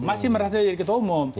masih merasa jadi ketua umum